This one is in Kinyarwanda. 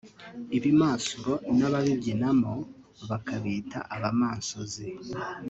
Ibimansuro n’ababibyinamo bakabita abamansuzi